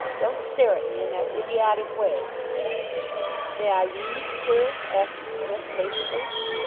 Don't stare at me in that idiotic way." "May I read, sir?" asked Psmith, patiently.